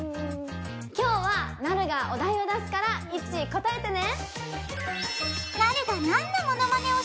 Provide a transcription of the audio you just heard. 今日はなるがお題を出すからいっちー答えてね。